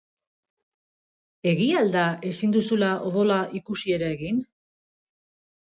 Egia al da ezin duzula odola ikusi ere egin?